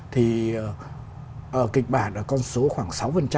thì kịch bản là con số khoảng sáu